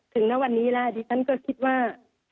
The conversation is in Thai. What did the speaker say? ถึงแล้ววันนี้ล่ะดิฉันก็คิดว่า